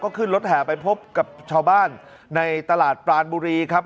ขึ้นรถแห่ไปพบกับชาวบ้านในตลาดปรานบุรีครับ